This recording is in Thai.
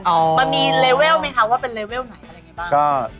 มันมีเลเวลไหมคะว่าเป็นเลเวลไหน